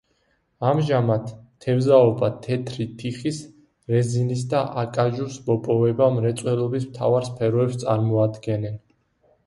ამჟამად, თევზაობა, თეთრი თიხის, რეზინის და აკაჟუს მოპოვება მრეწველობის მთავარ სფეროებს წარმოადგენენ.